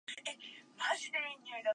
猫を吸いたいし犬も吸いたい